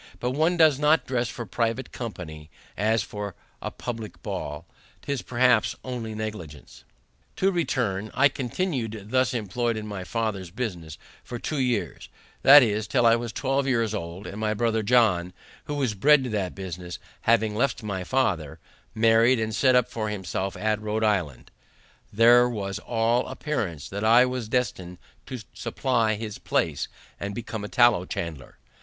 But one does not dress for private company as for a publick ball. 'Tis perhaps only negligence. To return: I continued thus employed in my father's business for two years, that is, till I was twelve years old; and my brother John, who was bred to that business, having left my father, married, and set up for himself at Rhode Island, there was all appearance that I was destined to supply his place, and become a tallow chandler.